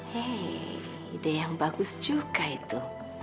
hei ide yang bagus juga itu